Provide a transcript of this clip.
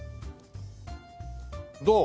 どう？